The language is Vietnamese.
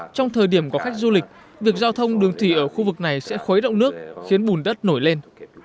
trong thời điểm có khách du lịch việc giao thông đường thủy ở khu vực này sẽ khuấy động nước khiến bùn đất nổi lên